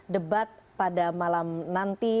debat pada malam nanti